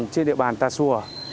trên địa bàn tà sùa